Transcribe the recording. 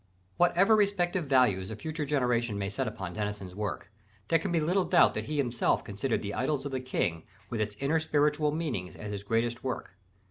Whatever respective values a future generation may set upon Tennyson's work, there can be little doubt that he himself considered the Idylls of the King, with its inner spiritual meanings, as his greatest work.